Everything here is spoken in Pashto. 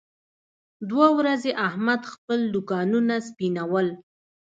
دوه ورځې احمد خپل دوکانونه سپینول.